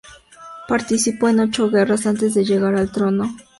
Participó en ocho guerras antes de llegar al trono.